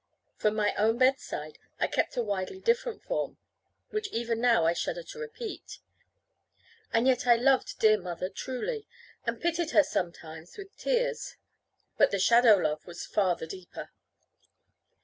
For my own bedside I kept a widely different form, which even now I shudder to repeat. And yet I loved dear mother truly, and pitied her sometimes with tears; but the shadow love was far the deeper.